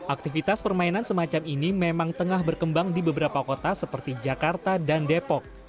aktivitas permainan semacam ini memang tengah berkembang di beberapa kota seperti jakarta dan depok